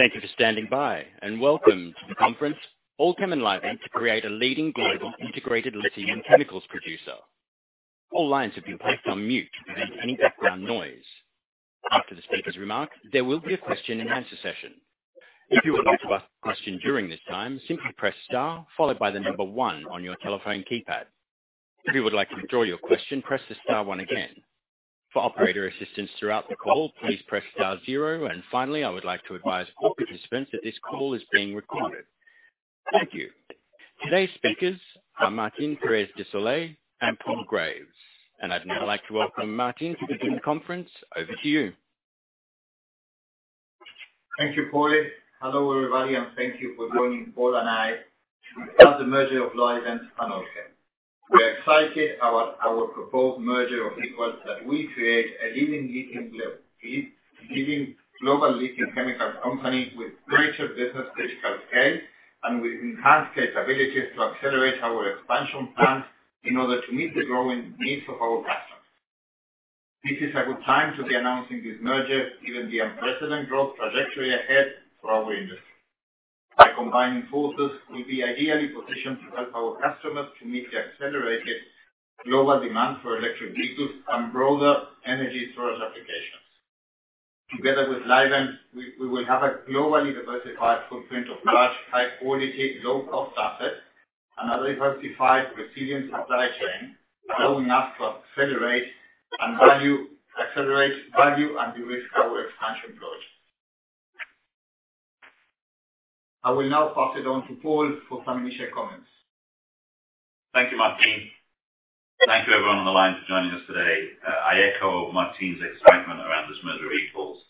Thank you for standing by, and welcome to the conference. Allkem and Livent create a leading global integrated lithium chemicals producer. All lines have been placed on mute to reduce any background noise. After the speaker's remarks, there will be a question-and-answer session. If you would like to ask a question during this time, simply press star followed by the number 1 on your telephone keypad. If you would like to withdraw your question, press the star 1 again. For operator assistance throughout the call, please press star 0. Finally, I would like to advise all participants that this call is being recorded. Thank you. Today's speakers are Martín Pérez de Solay and Paul Graves. I'd now like to welcome Martín to begin the conference. Over to you. Thank you, Paulie. Hello, everybody, and thank you for joining Paul and I to announce the merger of Livent and Allkem. We're excited about our proposed merger of equals that will create a leading global lithium chemicals company with greater business critical scale and with enhanced capabilities to accelerate our expansion plans in order to meet the growing needs of our customers. This is a good time to be announcing this merger given the unprecedented growth trajectory ahead for our industry. By combining forces, we'll be ideally positioned to help our customers to meet the accelerated global demand for electric vehicles and broader energy storage applications. Together with Livent, we will have a globally diversified footprint of large, high-quality, low-cost assets and a diversified, resilient supply chain, allowing us to accelerate value and de-risk our expansion growth. I will now pass it on to Paul for some initial comments. Thank you, Martín. Thank you everyone on the line for joining us today. I echo Martín's excitement around this merger of equals.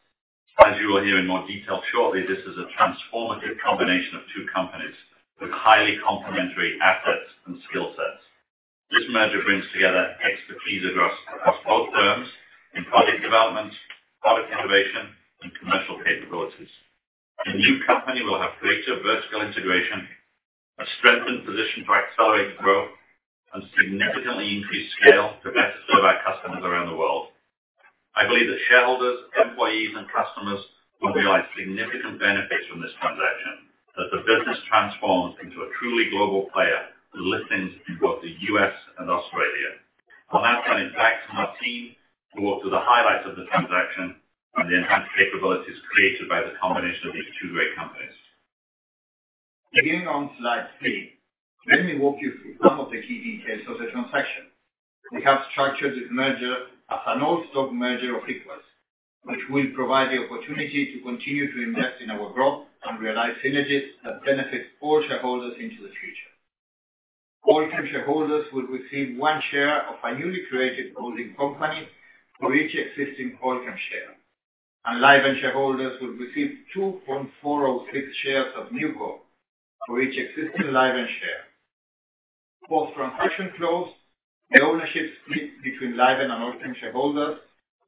As you will hear in more detail shortly, this is a transformative combination of two companies with highly complementary assets and skill sets. This merger brings together expertise across both firms in product development, product innovation, and commercial capabilities. The new company will have greater vertical integration, a strengthened position to accelerate growth, and significantly increased scale to best serve our customers around the world. I believe that shareholders, employees, and customers will realize significant benefits from this transaction as the business transforms into a truly global player with listings in both the U.S. and Australia. I'll now turn it back to Martín to walk through the highlights of the transaction and the enhanced capabilities created by the combination of these two great companies. Beginning on slide 3, let me walk you through some of the key details of the transaction. We have structured this merger as an all-stock merger of equals, which will provide the opportunity to continue to invest in our growth and realize synergies that benefit all shareholders into the future. Allkem shareholders will receive 1 share of a newly created holding company for each existing Allkem share. Livent shareholders will receive 2.406 shares of NewCo for each existing Livent share. Post-transaction close, the ownership split between Livent and Allkem shareholders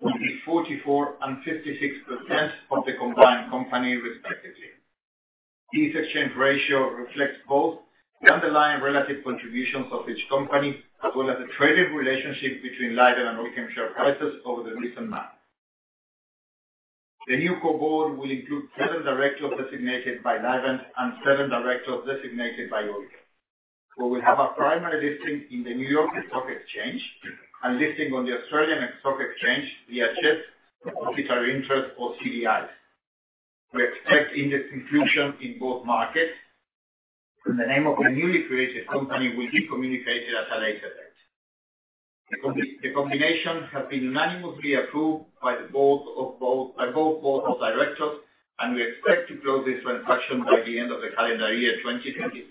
will be 44% and 56% of the combined company respectively. This exchange ratio reflects both the underlying relative contributions of each company, as well as the traded relationship between Livent and Allkem share prices over the recent months. The NewCo board will include 7 directors designated by Livent and 7 directors designated by Allkem. We will have our primary listing in the New York Stock Exchange and listing on the Australian Securities Exchange via CHESS Depositary Interest or CDIs. We expect index inclusion in both markets. The name of the newly created company will be communicated at a later date. The combination has been unanimously approved by both boards of directors. We expect to close this transaction by the end of the calendar year 2023,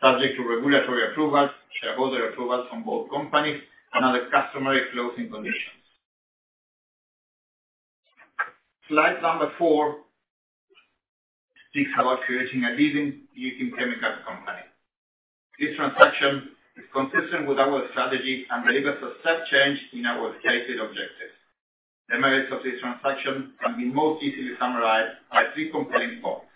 subject to regulatory approvals, shareholder approvals from both companies, and other customary closing conditions. Slide number four speaks about creating a leading lithium chemicals company. This transaction is consistent with our strategy and delivers a step change in our stated objectives. The merits of this transaction can be most easily summarized by three compelling points.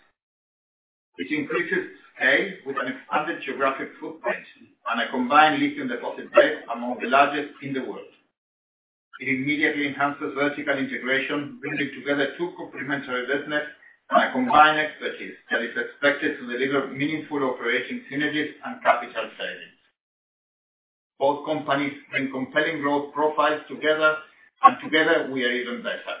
It increases scale with an expanded geographic footprint and a combined lithium deposit base among the largest in the world. It immediately enhances vertical integration, bringing together two complementary business and a combined expertise that is expected to deliver meaningful operation synergies and capital savings. Both companies bring compelling growth profiles together, and together we are even better.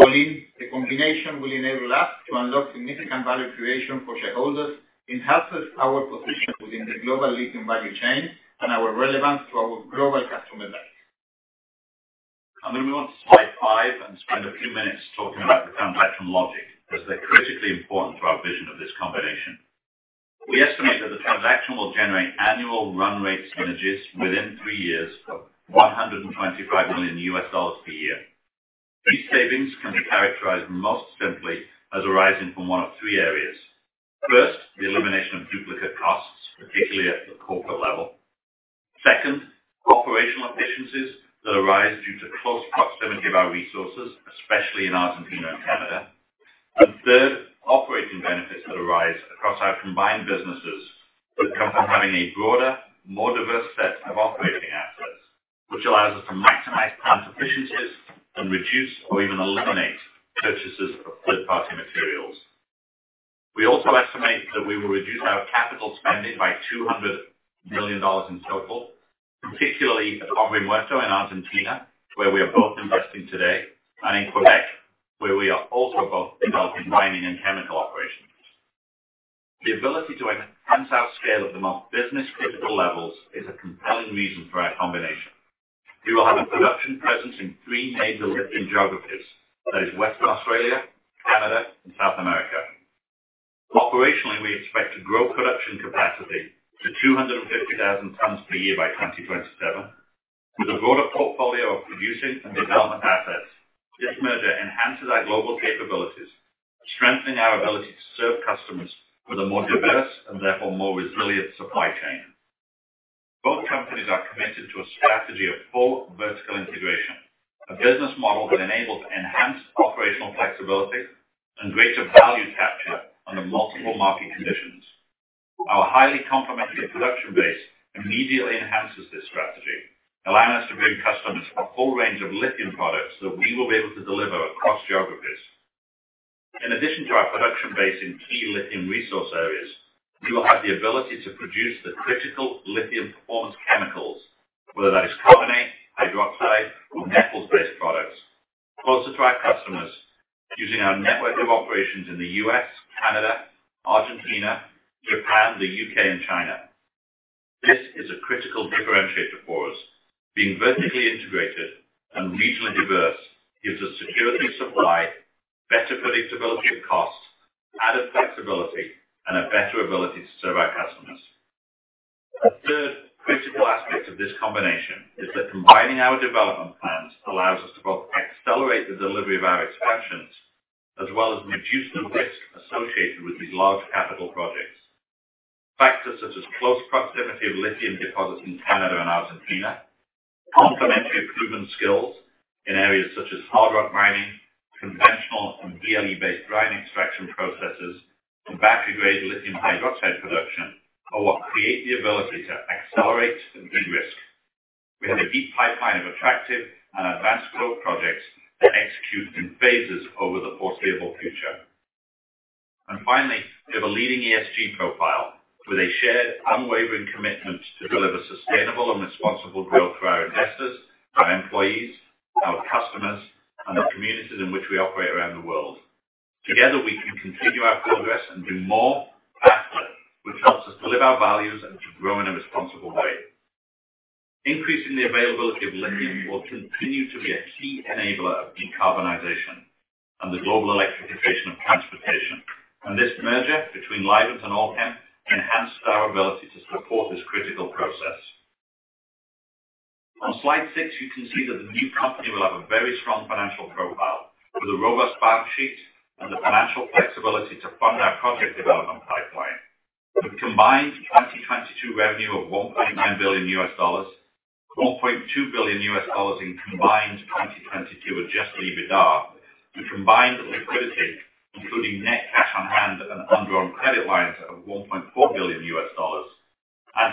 All in, the combination will enable us to unlock significant value creation for shareholders, enhances our position within the global lithium value chain and our relevance to our global customer base. I'm gonna move on to slide 5 and spend a few minutes talking about the transaction logic, as they're critically important to our vision of this combination. We estimate that the transaction will generate annual run rate synergies within 3 years of $125 million per year. These savings can be characterized most simply as arising from one of 3 areas. First, the elimination of duplicate costs, particularly at the corporate level. Second, operational efficiencies that arise due to close proximity of our resources, especially in Argentina and Canada. Third, benefits that arise across our combined businesses that come from having a broader, more diverse set of operating assets, which allows us to maximize plant efficiencies and reduce or even eliminate purchases of third-party materials. We also estimate that we will reduce our capital spending by $200 million in total, particularly at Hombre Muerto in Argentina, where we are both investing today, and in Quebec, where we are also both developing mining and chemical operations. The ability to enhance our scale at the most business-critical levels is a compelling reason for our combination. We will have a production presence in three major lithium geographies, that is Western Australia, Canada, and South America. Operationally, we expect to grow production capacity to 250,000 tons per year by 2027. With a broader portfolio of producing and development assets, this merger enhances our global capabilities, strengthening our ability to serve customers with a more diverse and therefore more resilient supply chain. Both companies are committed to a strategy of full vertical integration, a business model that enables enhanced operational flexibility and greater value capture under multiple market conditions. Our highly complementary production base immediately enhances this strategy, allowing us to bring customers a full range of lithium products that we will be able to deliver across geographies. In addition to our production base in key lithium resource areas, we will have the ability to produce the critical lithium performance chemicals, whether that is carbonate, hydroxide or metals-based products, closer to our customers using our network of operations in the U.S., Canada, Argentina, Japan, the U.K. and China. This is a critical differentiator for us. Being vertically integrated and regionally diverse gives us security of supply, better predictability of costs, added flexibility, and a better ability to serve our customers. A third critical aspect of this combination is that combining our development plans allows us to both accelerate the delivery of our expansions as well as reduce the risk associated with these large capital projects. Factors such as close proximity of lithium deposits in Canada and Argentina, complementary proven skills in areas such as hard rock mining, conventional and DLE-based brine extraction processes, and battery-grade lithium hydroxide production are what create the ability to accelerate and de-risk. Finally, we have a deep pipeline of attractive and advanced growth projects that execute in phases over the foreseeable future. Finally, we have a leading ESG profile with a shared, unwavering commitment to deliver sustainable and responsible growth for our investors, our employees, our customers, and the communities in which we operate around the world. Together, we can continue our progress and do more faster, which helps us to live our values and to grow in a responsible way. Increasing the availability of lithium will continue to be a key enabler of decarbonization and the global electrification of transportation. This merger between Livent and Allkem enhances our ability to support this critical process. On slide six, you can see that the new company will have a very strong financial profile with a robust balance sheet and the financial flexibility to fund our project development pipeline. With combined 2022 revenue of $1.9 billion, $1.2 billion in combined 2022 Adjusted EBITDA, with combined liquidity, including net cash on hand and undrawn credit lines of $1.4 billion,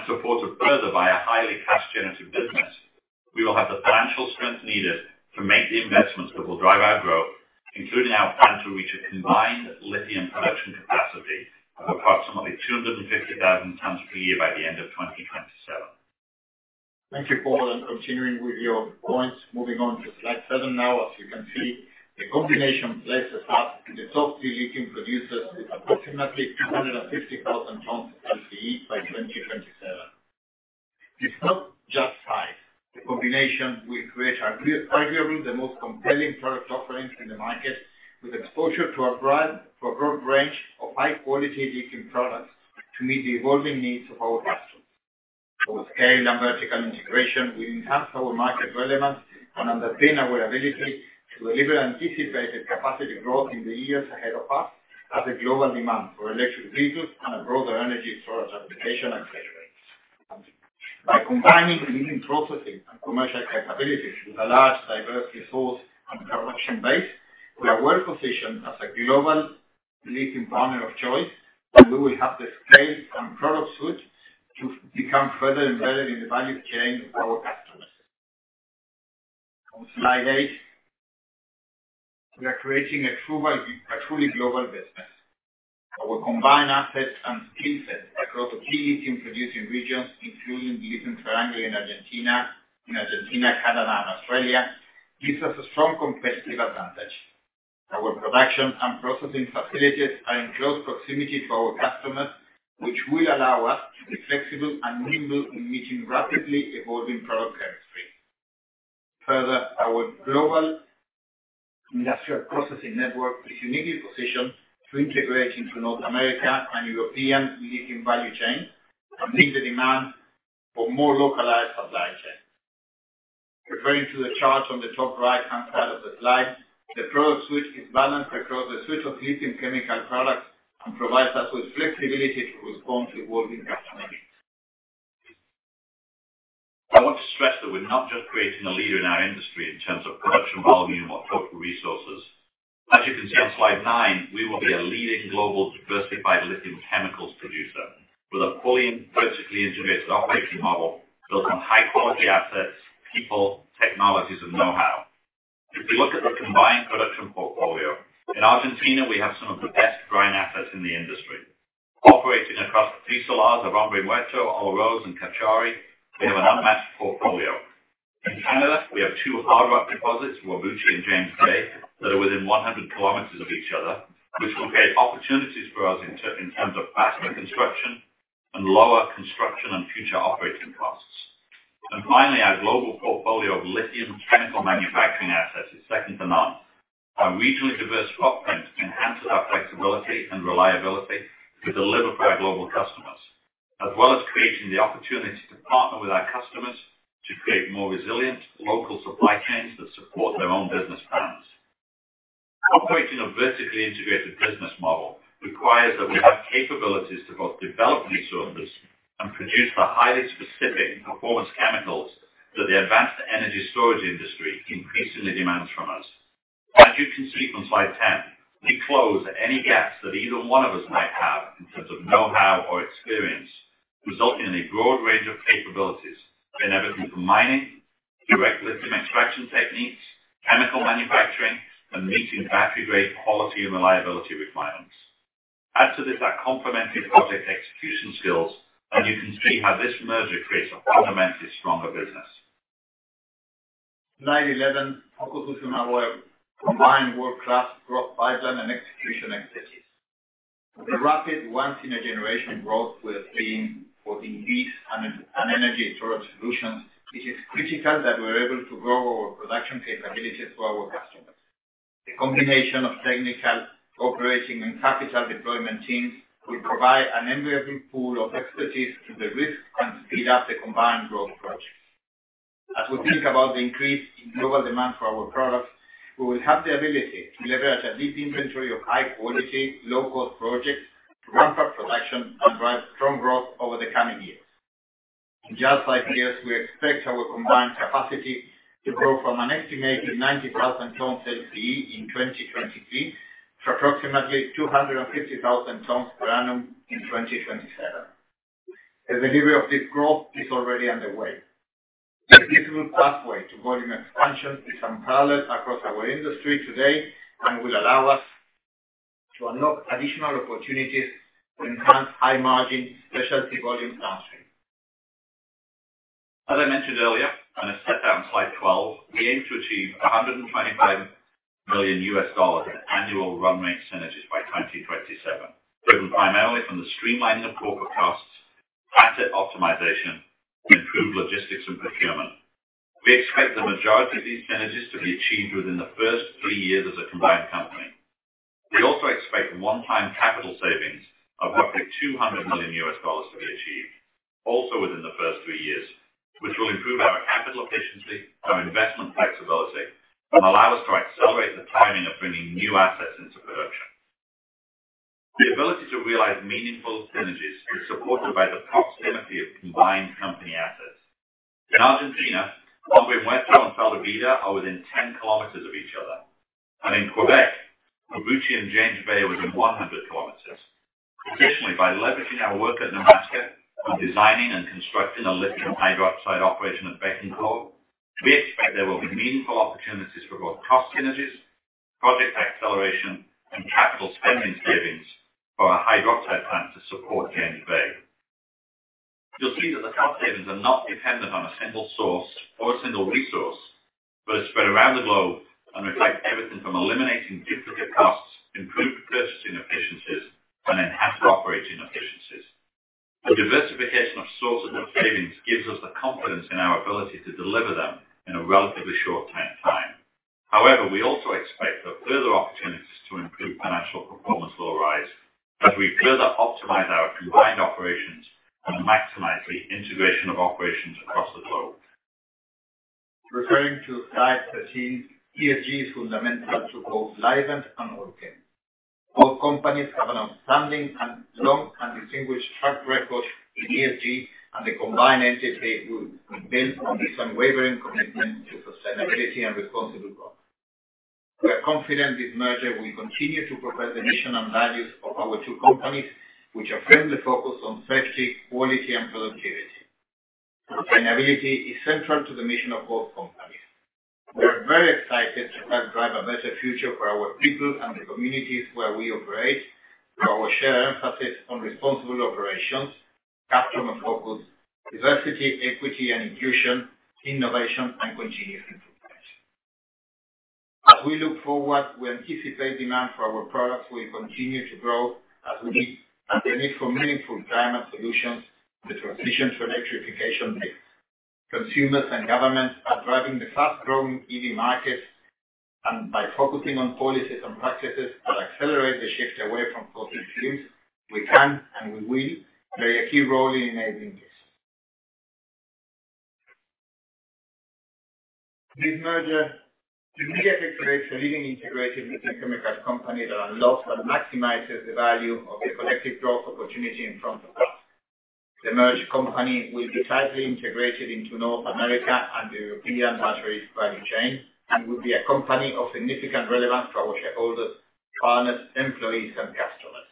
supported further by a highly cash generative business, we will have the financial strength needed to make the investments that will drive our growth, including our plan to reach a combined lithium production capacity of approximately 250,000 tons per year by the end of 2027. Thank you, Paul. Continuing with your points. Moving on to slide 7 now. As you can see, the combination places us in the top 3 lithium producers with approximately 250,000 tons LCE by 2027. It's not just size. The combination will create arguably the most compelling product offerings in the market, with exposure to a broad range of high-quality lithium products to meet the evolving needs of our customers. With scale and vertical integration, we enhance our market relevance and underpin our ability to deliver anticipated capacity growth in the years ahead of us as a global demand for electric vehicles and a broader energy storage application accelerates. By combining leading processing and commercial capabilities with a large, diverse resource and production base, we are well positioned as a global lithium partner of choice, and we will have the scale and product suite to become further embedded in the value chain of our customers. On slide 8, we are creating a truly global business. Our combined assets and skill set across the key lithium producing regions, including lithium triangle in Argentina, Canada, and Australia, gives us a strong competitive advantage. Our production and processing facilities are in close proximity to our customers, which will allow us to be flexible and nimble in meeting rapidly evolving product chemistry. Further, our global industrial processing network is uniquely positioned to integrate into North America and European lithium value chain and meet the demand for more localized supply chain. Referring to the chart on the top right-hand side of the slide, the product switch is balanced across a suite of lithium chemical products and provides us with flexibility to respond to evolving customer needs. We're not just creating a leader in our industry in terms of production volume or total resources. As you can see on slide 9, we will be a leading global diversified lithium chemicals producer with a fully vertically integrated operating model built on high-quality assets, people, technologies, and know-how. If we look at the combined production portfolio, in Argentina, we have some of the best brine assets in the industry. Operating across the three salars of Hombre Muerto, Ojo Rosa, and Cauchari, we have an unmatched portfolio. In Canada, we have two hard rock deposits, Whabouchi and James Bay, that are within 100 kilometers of each other, which will create opportunities for us in terms of faster construction and lower construction and future operating costs. Finally, our global portfolio of lithium chemical manufacturing assets is second to none. Our regionally diverse footprint enhances our flexibility and reliability to deliver to our global customers, as well as creating the opportunity to partner with our customers to create more resilient local supply chains that support their own business plans. Operating a vertically integrated business model requires that we have capabilities to both develop resources and produce the highly specific performance chemicals that the advanced energy storage industry increasingly demands from us. As you can see from slide 10, we close any gaps that either one of us might have in terms of know-how or experience, resulting in a broad range of capabilities in everything from mining, Direct Lithium Extraction techniques, chemical manufacturing, and meeting battery-grade quality and reliability requirements. Add to this our complementary project execution skills, and you can see how this merger creates a fundamentally stronger business. Slide 11 focuses on our combined world-class growth pipeline and execution expertise. With the rapid once-in-a-generation growth we are seeing for EVs and energy storage solutions, it is critical that we're able to grow our production capabilities for our customers. The combination of technical operating and capital deployment teams will provide an enviable pool of expertise to de-risk and speed up the combined growth projects. As we think about the increase in global demand for our products, we will have the ability to leverage a deep inventory of high-quality, low-cost projects to ramp up production and drive strong growth over the coming years. In just 5 years, we expect our combined capacity to grow from an estimated 90,000 tons LCE in 2023 to approximately 250,000 tons per annum in 2027. The delivery of this growth is already underway. The visible pathway to volume expansion is unparalleled across our industry today and will allow us to unlock additional opportunities to enhance high-margin specialty volumes downstream. As I mentioned earlier, as set out in slide 12, we aim to achieve $125 million in annual run rate synergies by 2027, driven primarily from the streamlining of corporate costs, asset optimization, improved logistics, and procurement. We expect the majority of these synergies to be achieved within the first three years as a combined company. We also expect one-time capital savings of roughly $200 million to be achieved, also within the first three years, which will improve our capital efficiency, our investment flexibility, and allow us to accelerate the timing of bringing new assets into production. The ability to realize meaningful synergies is supported by the proximity of combined company assets. In Argentina, Hombre Muerto and Sal de Vida are within 10 km of each other. In Quebec, Whabouchi and James Bay are within 100 km. Additionally, by leveraging our work at Bacanora on designing and constructing a lithium hydroxide operation at Bécancour, we expect there will be meaningful opportunities for both cost synergies, project acceleration, and capital spending savings for our hydroxide plant to support James Bay. You'll see that the cost savings are not dependent on a single source or a single resource, but are spread around the globe and reflect everything from eliminating duplicate costs, improved purchasing efficiencies, and enhanced operating efficiencies. The diversification of sources of savings gives us the confidence in our ability to deliver them in a relatively short time. However, we also expect that further opportunities to improve financial performance will arise as we further optimize our combined operations and maximize the integration of operations across the globe. Referring to slide 13, ESG is fundamental to both Livent and Orocobre. Both companies have an outstanding and long and distinguished track record in ESG. The combined entity will build on this unwavering commitment to sustainability and responsible growth. We are confident this merger will continue to progress the mission and values of our two companies, which are firmly focused on safety, quality, and productivity. Sustainability is central to the mission of both companies. We are very excited to help drive a better future for our people and the communities where we operate through our shared emphasis on responsible operations, customer focus, diversity, equity and inclusion, innovation, and continuous improvement. As we look forward, we anticipate demand for our products will continue to grow as we meet the need for meaningful climate solutions, the transition to electrification. Consumers and governments are driving the fast-growing EV markets, and by focusing on policies and practices that accelerate the shift away from fossil fuels, we can, and we will play a key role in enabling this. This merger creates a leading integrated chemical company that unlocks and maximizes the value of the collective growth opportunity in front of us. The merged company will be tightly integrated into North America and the European battery value chain, and will be a company of significant relevance for our shareholders, partners, employees and customers.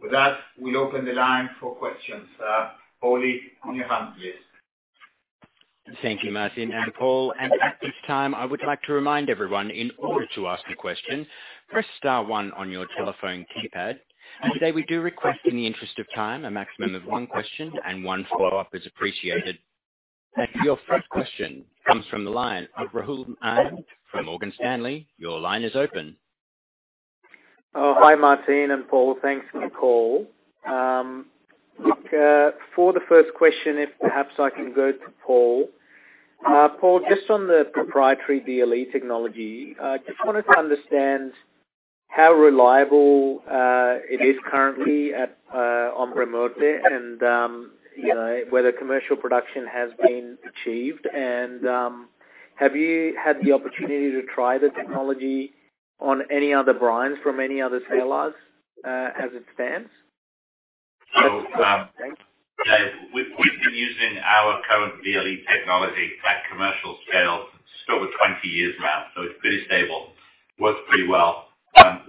With that, we'll open the line for questions. Paulie, on your hand, please. Thank you, Martín and Paul. At this time, I would like to remind everyone, in order to ask a question, press star one on your telephone keypad. Today we do request in the interest of time, a maximum of 1 question and 1 follow-up is appreciated. Your first question comes from the line of Rahul Anand from Morgan Stanley. Your line is open. Hi, Martín and Paul. Thanks for the call. Look, for the first question, if perhaps I can go to Paul. Paul, just on the proprietary DLE technology, I just wanted to understand how reliable it is currently at Hombre Muerto, and, you know, whether commercial production has been achieved. Have you had the opportunity to try the technology on any other brines from any other salars, as it stands? We've been using our current DLE technology at commercial scale for over 20 years now. It's pretty stable. Works pretty well.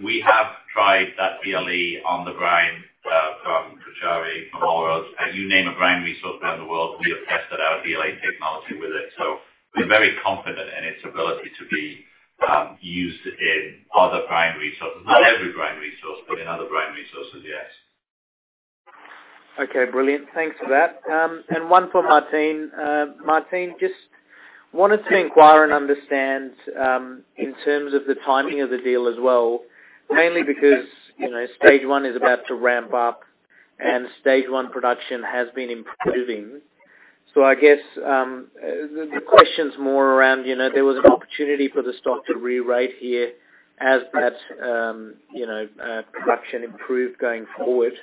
We have tried that DLE on the brine from Cauchari, from Olaroz. You name a brine resource around the world, we have tested our DLE technology with it. We're very confident in its ability to be used in other brine resources. Not every brine resource, but in other brine resources, yes. Okay, brilliant. Thanks for that. One for Martín. Martín, just wanted to inquire and understand in terms of the timing of the deal as well, mainly because, you know, Stage 1 is about to ramp up and Stage 1 production has been improving. I guess the question's more around, you know, there was an opportunity for the stock to re-rate here as that, you know, production improved going forward.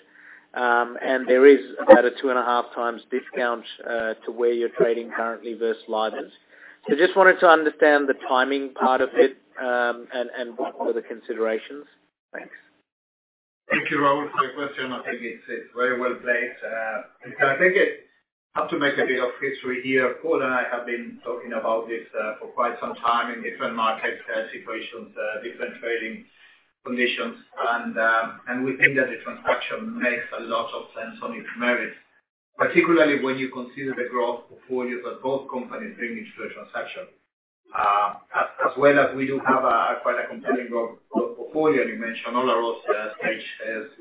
There is about a 2.5x discount to where you're trading currently versus Livent. Just wanted to understand the timing part of it and what were the considerations. Thanks. Thank you, Rahul, for your question. I think it's very well placed. I have to make a bit of history here. Paul and I have been talking about this for quite some time in different market situations, different trading conditions. And we think that the transaction makes a lot of sense on its merits, particularly when you consider the growth portfolios of both companies bringing to the transaction. As well as we do have quite a compelling growth portfolio. You mentioned Olaroz Stage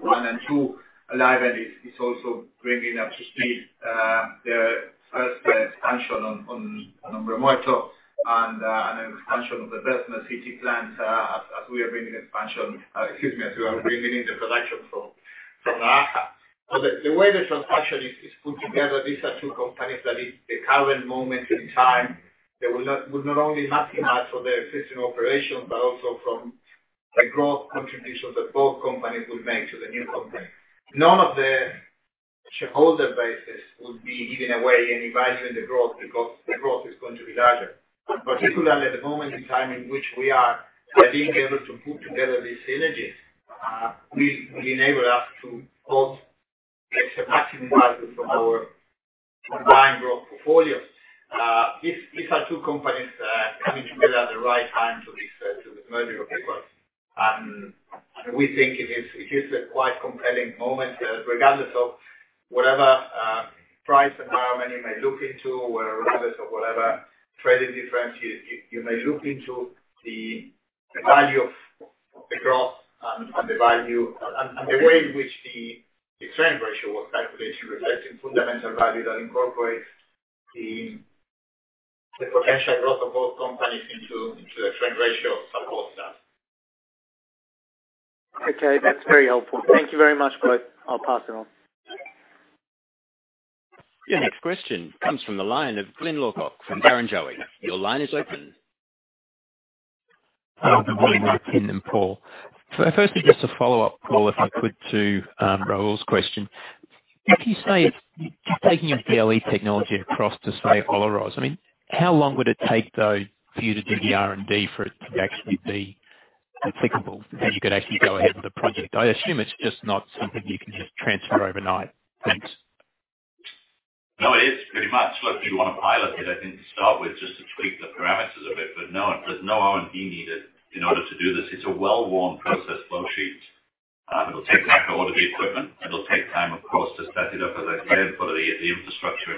1 and 2 Livent, and it's also bringing up to speed their first expansion on Hombre Muerto and an expansion of the Bessemer City plant as we are bringing in the production from [Maha Chaar]. The way the transaction is put together, these are two companies that in the current moment in time, they will not only maximize for their existing operations, but also from the growth contributions that both companies will make to the new company. None of the shareholder bases will be giving away any value in the growth because the growth is going to be larger. Particularly the moment in time in which we are being able to put together these synergies will enable us to both maximize from our combined growth portfolios. These are two companies coming together at the right time to this merger request. We think it is a quite compelling moment, regardless of whatever price environment you may look into or whatever trading difference you may look into the value of the growth and the value and the way in which the exchange ratio was calculated, reflecting fundamental value that incorporates the potential growth of both companies into the exchange ratio supports that. Okay. That's very helpful. Thank you very much, both. I'll pass it on. The next question comes from the line of Glyn Lawcock from Barrenjoey. Your line is open. Good morning, Martín and Paul. Firstly, just a follow-up, Paul, if I could to Rahul's question. If you say taking a DLE technology across to, say, Olaroz, I mean, how long would it take, though, for you to do the R&D for it to actually be applicable, so you could actually go ahead with the project? I assume it's just not something you can just transfer overnight. Thanks. No, it is pretty much. Look, you want to pilot it, I think, to start with, just to tweak the parameters of it. No, there's no R&D needed in order to do this. It's a well-worn process flow sheet. It'll take time to order the equipment. It'll take time, of course, to set it up, as I said, put the infrastructure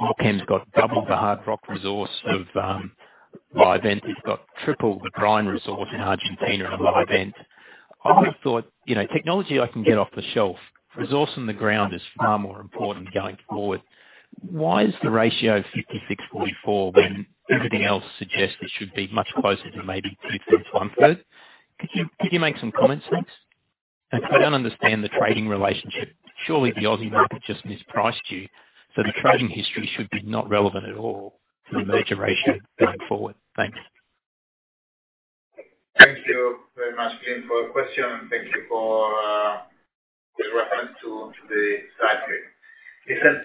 Allkem's got double the hard rock resource of Livent. It's got triple the brine resource in Argentina and Livent. I would have thought, you know, technology I can get off the shelf. Resource in the ground is far more important going forward. Why is the ratio 56/44 when everything else suggests it should be much closer to maybe 2/3, 1/3? Could you make some comments, please? I don't understand the trading relationship. Surely the Aussie market just mispriced you, so the trading history should be not relevant at all for the merger ratio going forward. Thanks. Thank you very much, Glyn, for the question. Thank you for the reference to the slide, please. Listen,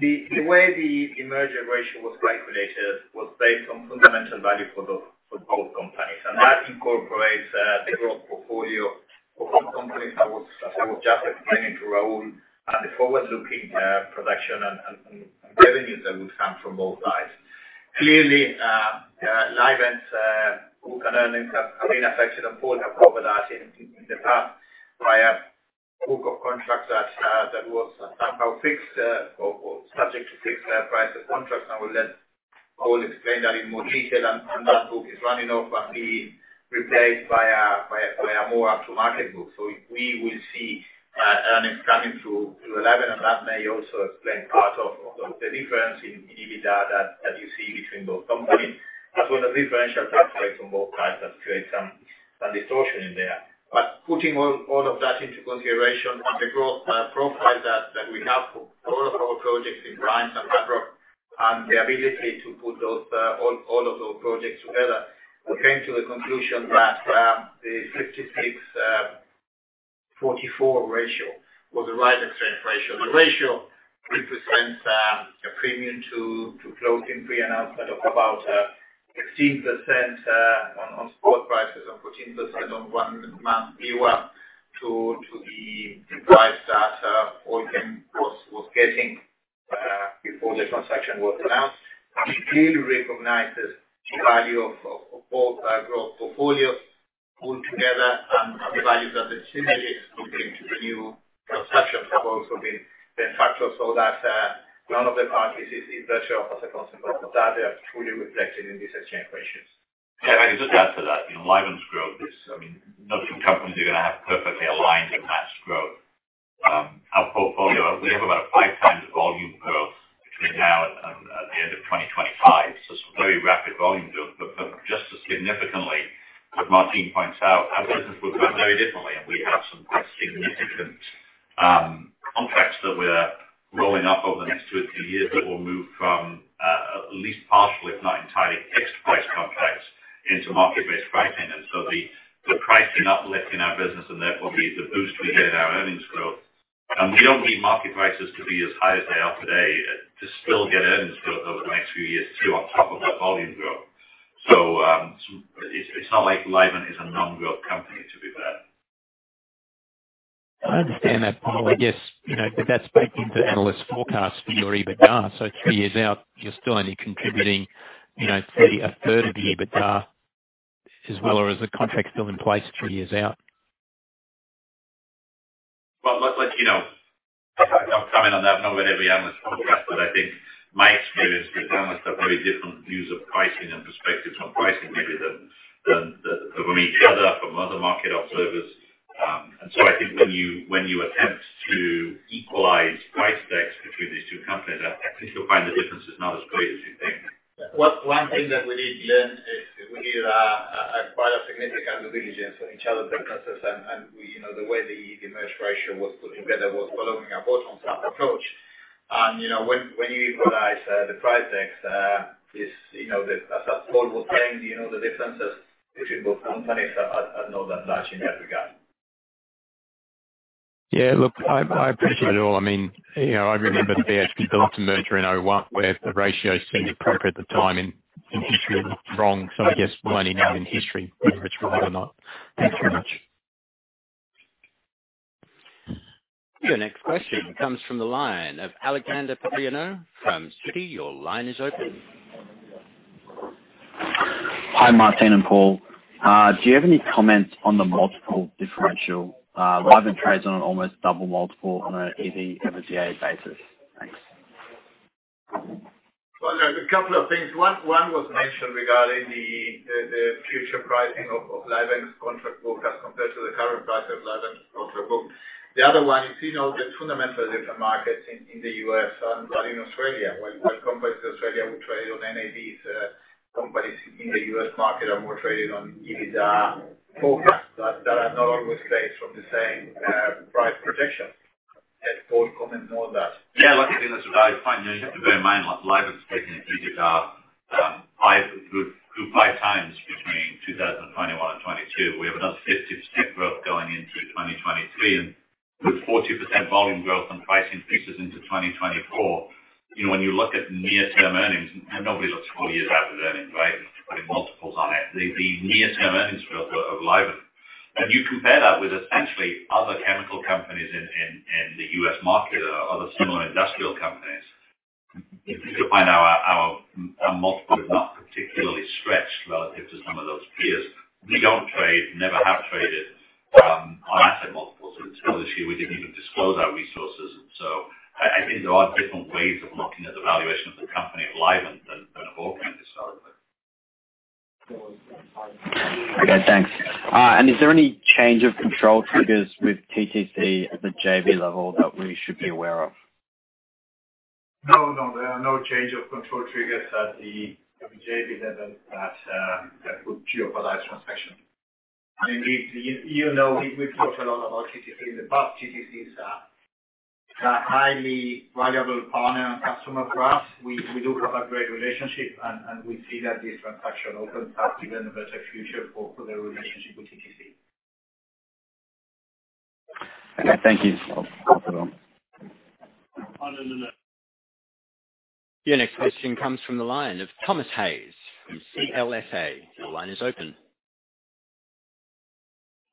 the way the emergent ratio was calculated was based on fundamental value for both companies, and that incorporates the growth portfolio for both companies. I was just explaining to Rahul, the forward-looking production and revenues that would come from both sides. Clearly, Livent's book and earnings have been affected, and Paul have covered that in the past by a book of contracts that was somehow fixed or subject to fixed price of contracts. We'll let Paul explain that in more detail. That book is running off and being replaced by a more up-to-market book. We will see earnings coming through to 11, and that may also explain part of the difference in EBITDA that you see between both companies. As well as the differential tax rates on both sides that create some distortion in there. Putting all of that into consideration and the growth profile that we have for all of our projects in brines and hard rock, and the ability to put those all of those projects together, we came to a conclusion that the 56-44 ratio was the right exchange ratio. The ratio represents a premium to close in pre-announcement of about 16% on spot prices and 14% on 1-month VWAP to the price that Allkem was getting before the transaction was announced. It clearly recognizes the value of both our growth portfolios put together and the values of the synergies between the new transactions have also been factored so that none of the parties is worse off as a consequence of that. They are truly reflected in these exchange ratios. Yeah, if I can just add to that. You know, Livent's growth is... I mean, no two companies are gonna have perfectly aligned and matched growth. Our portfolio, we have about 5x the volume growth between now and the end of 2025. Some very rapid volume growth. Just as significantly, as Martin points out, our business will grow very differently, and we have some quite significant contracts that we're rolling up over the next two or three years that will move from at least partially, if not entirely, fixed price contracts into market-based pricing. The pricing uplift in our business and therefore the boost we get in our earnings growth, and we don't need market prices to be as high as they are today to still get earnings growth over the next few years too on top of that volume growth. It's not like Livent is a non-growth company to be fair. I understand that, Paul. I guess, you know, that's baked into analyst forecasts for your EBITDA. 2 years out, you're still only contributing, you know, A third of the EBITDA as well or is the contract still in place 2 years out? Well, let you know. I'll comment on that. I know with every analyst forecast, I think my experience with analysts are very different views of pricing and perspectives on pricing maybe than from each other, from other market observers. I think when you attempt to equalize price decks between these two companies, I think you'll find the difference is not as great as you think. One thing that we did, Glenn, is we did a quite a significant due diligence on each other's businesses and we, you know, the way the merge ratio was put together was following a bottom-up approach. You know, when you equalize the price decks, this, you know, as Paul was saying, you know, the differences between both companies are not that large in that regard. Yeah. Look, I appreciate it all. I mean, you know, I remember BHP Billiton merger in 2001, where the ratio seemed appropriate at the time and in history, it was wrong. I guess learning now in history whether it's right or not. Thanks very much. Your next question comes from the line of Alex Papaioanou from Citi. Your line is open. Hi, Martín and Paul. Do you have any comments on the multiple differential? Livent trades on an almost double multiple on a EBITDA basis. Thanks. There are a couple of things. One was mentioned regarding the future pricing of Livent's contract book as compared to the current price of Livent's contract book. The other one is, you know, the fundamentals of the market in the U.S. are in Australia. While companies in Australia will trade on NAVs, companies in the U.S. market are more traded on EBITDA forecasts that are not always based from the same price projections. Does Paul comment more on that? Yeah. Look, I think that's a very good point. You know, you have to bear in mind, like, Livent's making EBITDA good 5x between 2021 and 2022. We have another 50% growth going into 2023. With 40% volume growth on pricing fixes into 2024, you know, when you look at near-term earnings, and nobody looks 4 years out with earnings, right? Putting multiples on it. The near-term earnings growth of Livent, and you compare that with essentially other chemical companies in the U.S. market or other similar industrial companies, you find our multiple is not particularly stretched relative to some of those peers. We don't trade, never have traded, on asset multiples. Until this year, we didn't even disclose our resources. I think there are different ways of looking at the valuation of the company of Livent than of Allkem, historically. Okay, thanks. Is there any change of control triggers with TTC at the JV level that we should be aware of? No, no. There are no change of control triggers at the JV level that would jeopardize transaction. I mean, you know, we've talked a lot about TTC in the past. TTC is a highly valuable partner and customer for us. We do have a great relationship and we see that this transaction opens up even a better future for the relationship with TTC. Okay, thank you. I'll pass it on. Your next question comes from the line of Robert Stein from CLSA. Your line is open.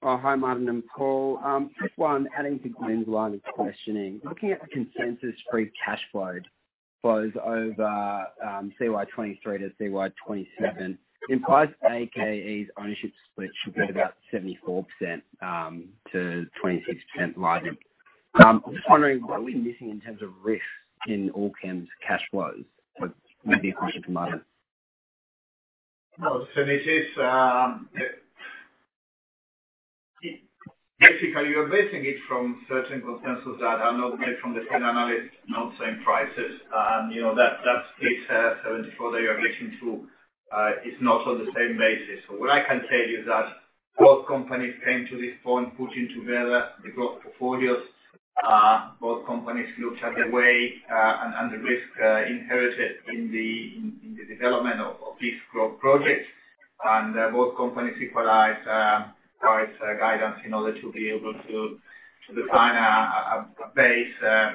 Oh, hi, Martin and Paul. Just one adding to Glyn's line of questioning. Looking at the consensus free cash flows over CY 2023 to CY 2027 implies AKE's ownership split should be about 74% to 26% Livent. I'm just wondering what are we missing in terms of risk in Allkem's cash flows? maybe a question for Martin. Basically, you're basing it from certain consensus that are not made from the same analysts, not same prices. You know, that split, 74 that you are reaching to, is not on the same basis. What I can tell you is that both companies came to this point putting together the growth portfolios. Both companies looked at the way, and the risk inherited in the development of these growth projects. Both companies equalized price guidance in order to be able to define a base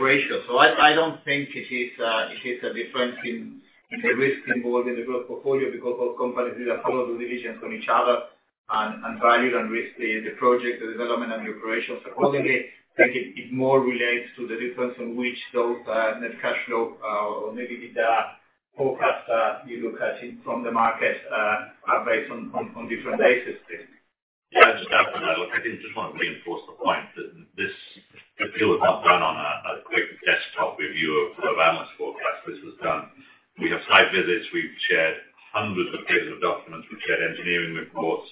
ratio. I don't think it is a difference in the risk involved in the growth portfolio because both companies did a thorough due diligence on each other and valued and risked the project, the development and the operations accordingly. I think it more relates to the difference in which those, net cash flow, or maybe the forecasts that you look at in from the market, are based on different basis, I think. Just to add to that. Look, I think I just want to reinforce the point that this deal was not done on a quick desktop review of analyst forecast. This was done. We have site visits. We've shared hundreds of pages of documents. We've shared engineering reports.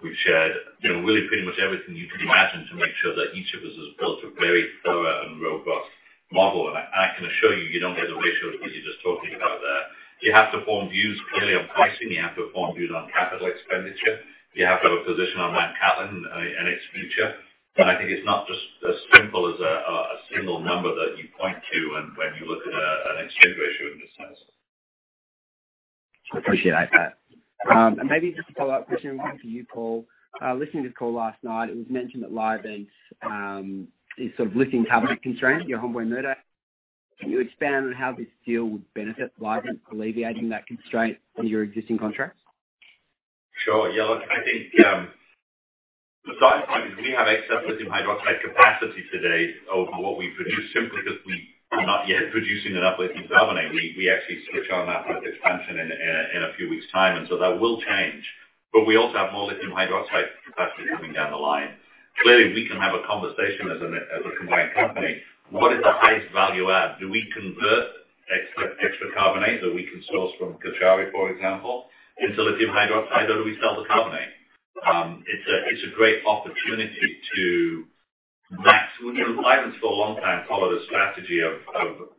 We've shared, you know, really pretty much everything you could imagine to make sure that each of us has built a very thorough and robust model. I can assure you don't get the ratios that you're just talking about there. You have to form views clearly on pricing. You have to form views on capital expenditure. You have to have a position on Mount Cattlin and its future. I think it's not just as simple as a single number that you point to and when you look at an exchange ratio in this sense. Appreciate that. Maybe just a follow-up question for you, Paul. Listening to the call last night, it was mentioned that Livent is sort of lithium carbonate constrained, your Hombre Muerto. Can you expand on how this deal would benefit Livent alleviating that constraint on your existing contracts? Sure. Yeah, look, I think, the starting point is we have excess lithium hydroxide capacity today over what we produce simply because we are not yet producing enough lithium carbonate. We actually switch on that expansion in a few weeks time. That will change. We also have more lithium hydroxide capacity coming down the line. Clearly, we can have a conversation as a combined company. What is the highest value add? Do we convert extra carbonate that we can source from Cauchari, for example, into lithium hydroxide, or do we sell the carbonate? It's a great opportunity. You know, Livent's for a long time followed a strategy of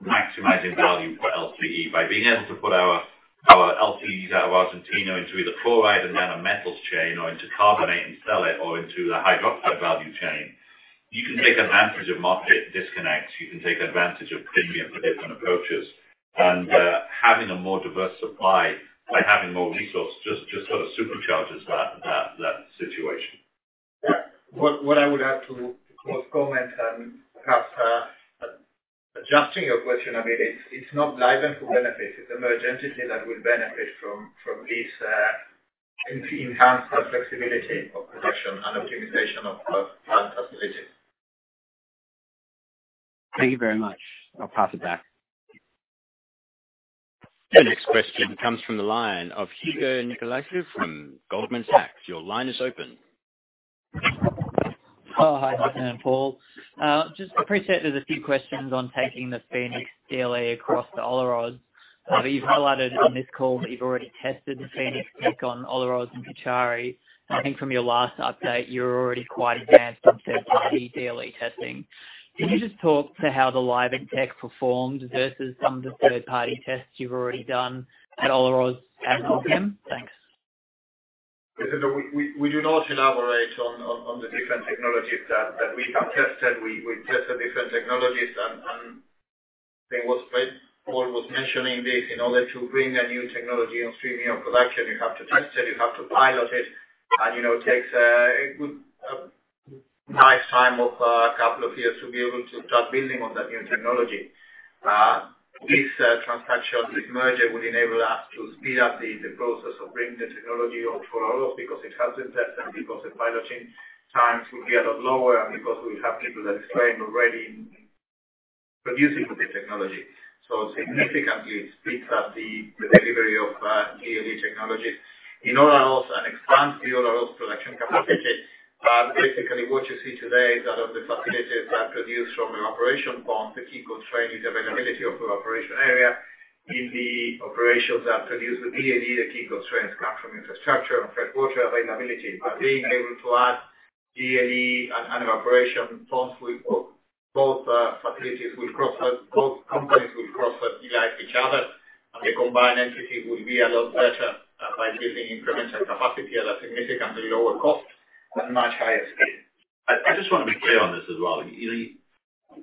maximizing value for LCE. By being able to put our LCEs out of Argentina into either fluoride and then a metals chain or into carbonate and sell it or into the hydroxide value chain, you can take advantage of market disconnects. You can take advantage of premium for different approaches. Having a more diverse supply by having more resource just sort of supercharges that situation. Yeah. What I would add to Paul's comment, perhaps adjusting your question a bit, it's not Livent who benefits. It's a merged entity that will benefit from this enhanced flexibility of production and optimization of plant capacity. Thank you very much. I'll pass it back. Your next question comes from the line of Hugo Nicolaci from Goldman Sachs. Your line is open. Hi, Martín and Paul. Just appreciate there's a few questions on taking the Fenix DLE across to Olaroz. You've highlighted on this call that you've already tested the Fenix tech on Olaroz and Cauchari. I think from your last update, you were already quite advanced on third-party DLE testing. Can you just talk to how the Livent tech performed versus some of the third-party tests you've already done at Olaroz and Cauchari? We do not elaborate on the different technologies that we have tested. We've tested different technologies and I think what Paul was mentioning this. In order to bring a new technology on streaming or production, you have to test it, you have to pilot it. You know, it takes a good, a nice time of a couple of years to be able to start building on that new technology. This transaction, this merger would enable us to speed up the process of bringing the technology on to Orocobre because it has been tested, because the piloting times will be a lot lower, because we have people at Fenix already producing with the technology. Significantly, it speeds up the delivery of DLE technology in Orocobre and expands the Orocobre production capacity. Basically, what you see today is out of the facilities that produce from an evaporation pond, the key constraint is availability of evaporation area. In the operations that produce the DLE, the key constraints come from infrastructure and freshwater availability. Being able to add DLE and an evaporation ponds, both companies will cross-utilize each other, and the combined entity will be a lot better by building incremental capacity at a significantly lower cost at a much higher scale. I just want to be clear on this as well. You know,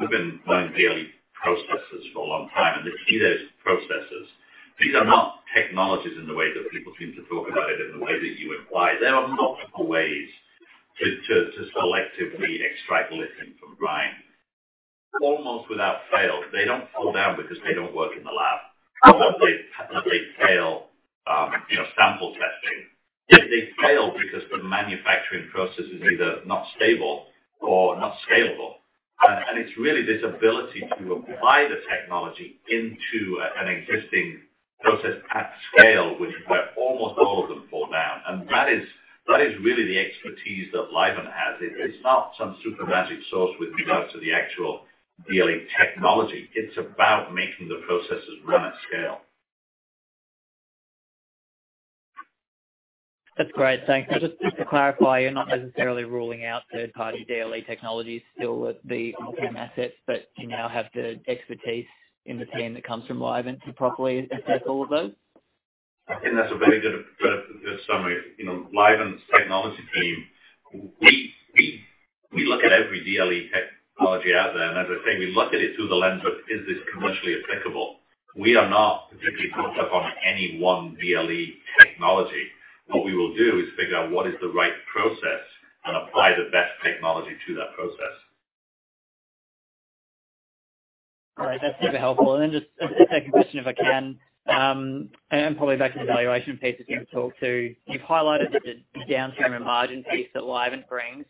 we've been learning DLE processes for a long time. The key there is processes. These are not technologies in the way that people seem to talk about it in the way that you imply. There are multiple ways to selectively extract lithium from brine. Almost without fail, they don't fall down because they don't work in the lab or that they fail, you know, sample testing. They fail because the manufacturing process is either not stable or not scalable. It's really this ability to apply the technology into an existing process at scale, which is where almost all of them fall down. That is really the expertise that Livent has. It is not some super magic sauce with regards to the actual DLE technology. It's about making the processes run at scale. That's great. Thanks. Just to clarify, you're not necessarily ruling out third-party DLE technologies still with the Orocobre assets, but you now have the expertise in the team that comes from Livent to properly assess all of those? I think that's a very good summary. You know, Livent's technology team, we look at every DLE technology out there. As I say, we look at it through the lens of, is this commercially applicable? We are not particularly hooked up on any one DLE technology. What we will do is figure out what is the right process and apply the best technology to that process. All right. That's super helpful. Just a second question, if I can, and probably back to the valuation piece that you talked to. You've highlighted the downstream and margin piece that Livent brings.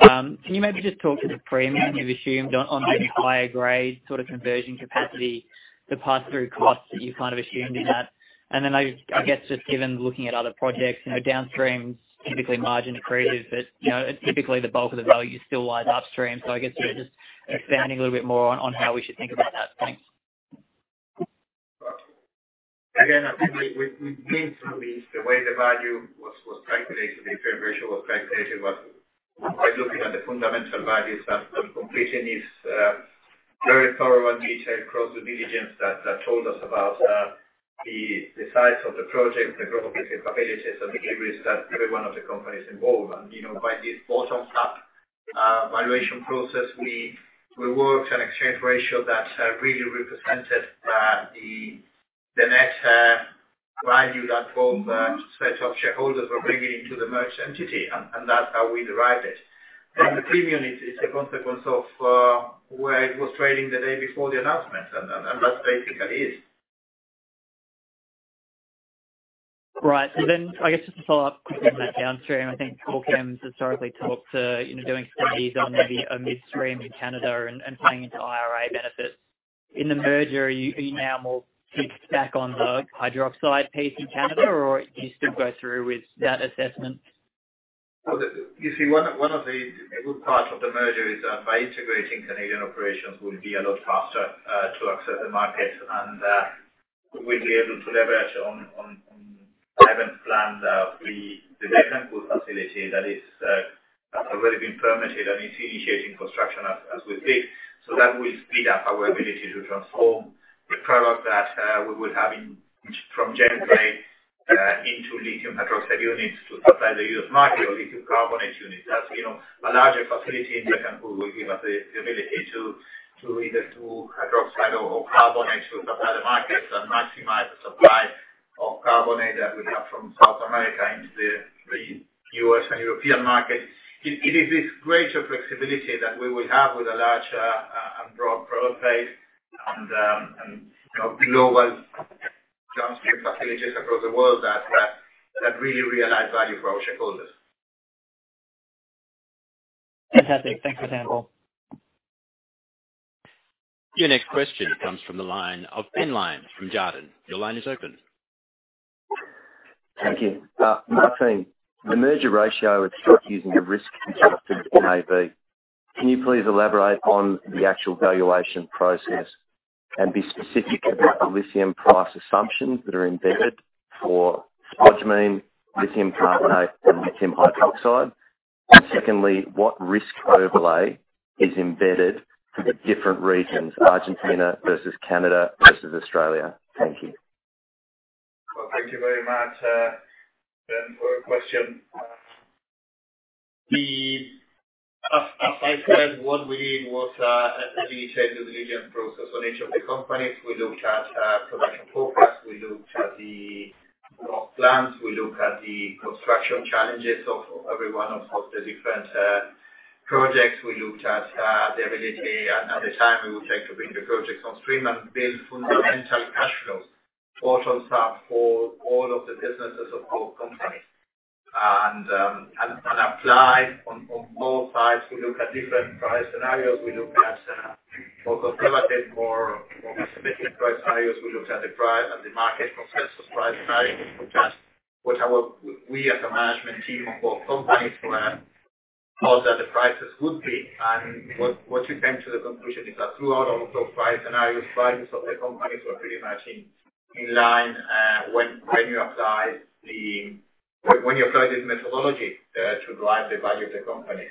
Can you maybe just talk to the premium you've assumed on the higher grade sort of conversion capacity, the pass-through costs that you kind of assumed in that? I guess just given looking at other projects, you know, downstream is typically margin accretive, but you know, typically the bulk of the value still lies upstream. I guess, yeah, just expanding a little bit more on how we should think about that. Thanks. Again, I think we've been through this. The way the value was calculated, the exchange ratio was calculated was by looking at the fundamental values that on completion is very thorough and detailed across the diligence that told us about the size of the project, the growth of business capabilities and deliveries that every one of the companies involved. You know, by this bottom-up valuation process, we worked an exchange ratio that really represented the net value that both set of shareholders were bringing into the merged entity, and that's how we derived it. The premium is a consequence of where it was trading the day before the announcement. That basically is. I guess just to follow up quickly on that downstream, I think Orocobre has historically talked to, you know, doing studies on maybe a midstream in Canada and playing into IRA benefits. In the merger, are you now more fixed back on the hydroxide piece in Canada, or do you still go through with that assessment? You see, one of the good parts of the merger is that by integrating Canadian operations, we'll be a lot faster to access the market and we'll be able to leverage on Livent's plans of the Bécancour facility that is already been permitted and is initiating construction as we speak. That will speed up our ability to transform the product that we would have in, from Gen 3, into lithium hydroxide units to supply the US market or lithium carbonate units. That's, you know, a larger facility in Bécancour will give us the ability to either do hydroxide or carbonate to supply the markets and maximize the supply of carbonate that we have from South America into the U.S. and European markets. It is this greater flexibility that we will have with a larger, broad product base and global downstream facilities across the world that really realize value for our shareholders. Fantastic. Thanks for that, Paul. Your next question comes from the line of Ben Lyons from Jarden. Your line is open. Thank you. Martín, the merger ratio is still using a risk-adjusted NAV. Can you please elaborate on the actual valuation process and be specific about the lithium price assumptions that are embedded for spodumene, lithium carbonate, and lithium hydroxide? Secondly, what risk overlay is embedded for the different regions, Argentina versus Canada versus Australia? Thank you. Well, thank you very much, Ben for your question. As I said, what we did was, as we said, due diligence process on each of the companies. We looked at production forecasts, we looked at the plans, we look at the construction challenges of every one of the different projects. We looked at the ability and at the time it would take to bring the projects on stream and build fundamental cash flows for ourselves, for all of the businesses of both companies. Apply on both sides. We look at different price scenarios. We look at more conservative, more aggressive price scenarios. We looked at the price and the market consensus price scenarios. We looked at what we as a management team of both companies were how that the prices would be and what we came to the conclusion is that throughout all those price scenarios, prices of the companies were pretty much in line. When you apply this methodology to drive the value of the company.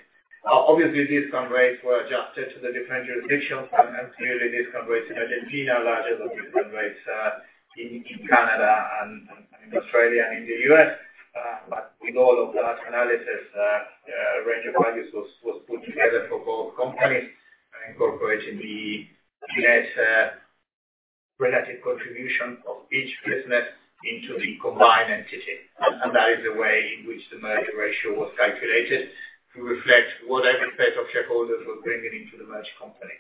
Obviously, discount rates were adjusted to the different jurisdictions, and clearly discount rates in Argentina are larger than discount rates in Canada and in Australia and in the U.S.. With all of that analysis, a range of values was put together for both companies and incorporating the net relative contribution of each business into the combined entity. That is the way in which the merger ratio was calculated to reflect what every set of shareholders were bringing into the merged company.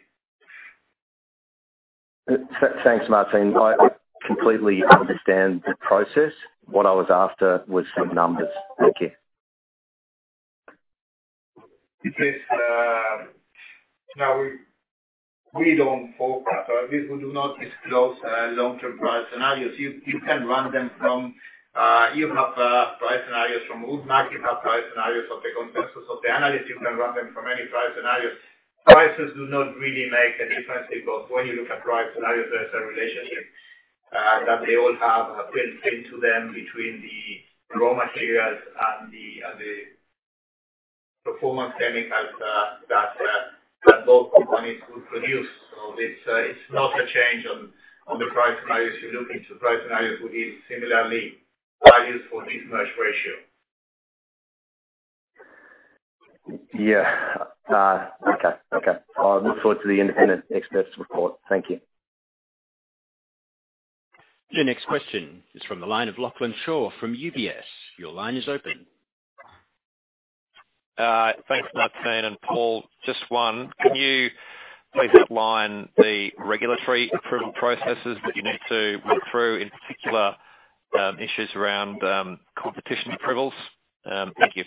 Thanks, Martín. I completely understand the process. What I was after was some numbers. Thank you. Now we don't forecast. We do not disclose long-term price scenarios. You have price scenarios from Woodmac, you have price scenarios of the consensus of the analysts. You can run them from any price scenarios. Prices do not really make a difference because when you look at price scenarios, there's a relationship that they all have built into them between the raw materials and the performance chemicals that both companies would produce. It's not a change on the price scenarios you're looking to. Price scenarios will give similarly values for this merge ratio. Yeah. Okay. I'll look forward to the independent expert's report. Thank you. The next question is from the line of Lachlan Shaw from UBS. Your line is open. Thanks, Martín and Paul. Just one. Can you please outline the regulatory approval processes that you need to work through, in particular, issues around, competition approvals? Thank you.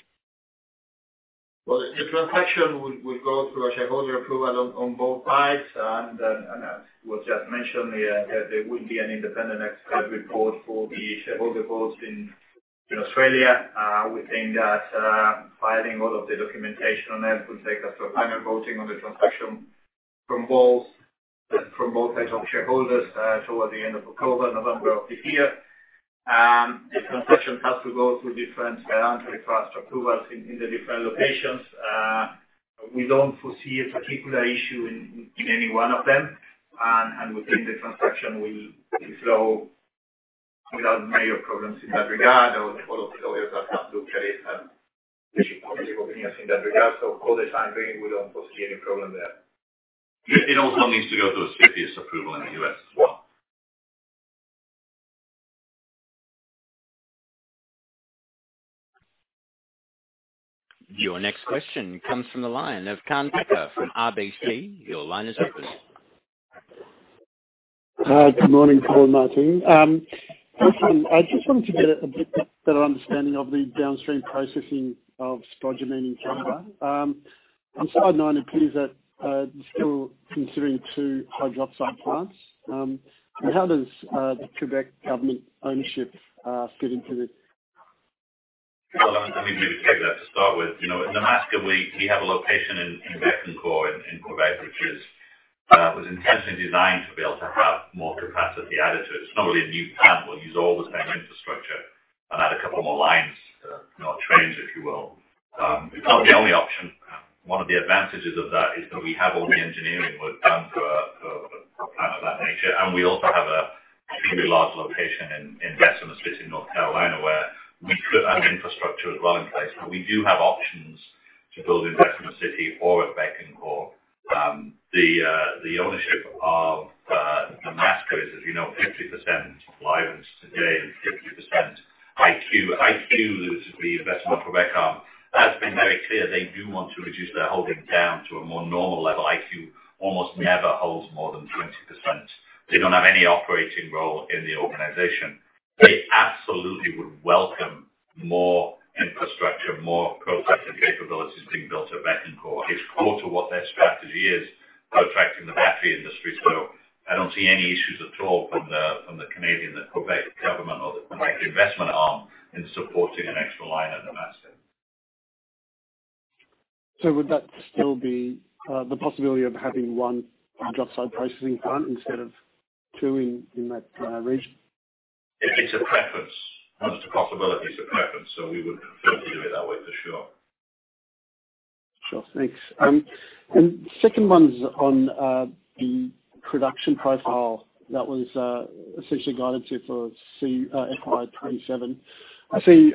The transaction would go through a shareholder approval on both sides. As was just mentioned, there will be an independent expert report for the shareholder votes in Australia. We think that filing all of the documentation on that would take us to a final voting on the transaction from both sets of shareholders toward the end of October, November of this year. The transaction has to go through different antitrust approvals in the different locations. We don't foresee a particular issue in any one of them. We think the transaction will flow without major problems in that regard. All of the lawyers that have looked at it have issued positive opinions in that regard. Call the sign being, we don't foresee any problem there. It also needs to go through a CFIUS approval in the U.S. as well. Your next question comes from the line of Kaan Peker from RBC. Your line is open. Good morning, Paul and Martin. Listen, I just wanted to get a bit better understanding of the downstream processing of spodumene in Canada. On slide 9, it appears that you're still considering 2 hydroxide plants. How does the Quebec government ownership fit into this? Well, let me take that to start with. You know, in Nemaska, we have a location in Bécancour in Quebec, which was intentionally designed to be able to have more capacity added to. It's not really a new plant. We'll use all the same infrastructure and add a couple more lines, you know, trains, if you will. It's not the only option. One of the advantages of that is that we have all the engineering work done for a plant of that nature. We also have a fairly large location in Bessemer City, North Carolina, where we could add infrastructure as well in place. We do have options to build in Bessemer City or at Bécancour. The ownership of Nemaska is, as you know, 50% Livent today and 50% IQ. IQ is the investment Quebec arm, has been very clear they do want to reduce their holding down to a more normal level. IQ almost never holds more than 20%. They don't have any operating role in the organization. They absolutely would welcome more infrastructure, more processing capabilities being built at Bécancour. It's core to what their strategy is, attracting the battery industry. I don't see any issues at all from the, from the Canadian, the Quebec government or the Quebec investment arm in supporting an extra line at Nemaska. Would that still be the possibility of having 1 hydroxide processing plant instead of 2 in that region? It's a preference, not a possibility. It's a preference. We would continue it that way for sure. Sure. Thanks. Second one's on the production profile that was essentially guided to for FY 2027. I see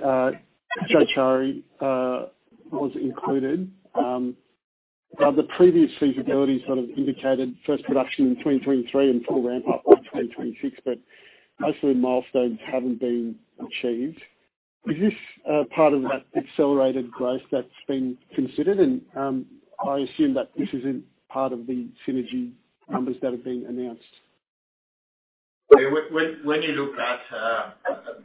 Jáchal Norte was included. The previous feasibility sort of indicated first production in 2023 and full ramp up by 2026, but most of the milestones haven't been achieved. Is this part of that accelerated growth that's been considered? I assume that this isn't part of the synergy numbers that have been announced. When you look at